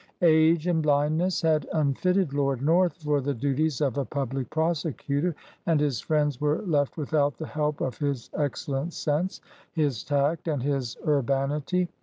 Age and bhndness had unfitted Lord North for the duties of a public prosecutor; and his friends were left without the help of his excellent sense, his tact, and his urbanity.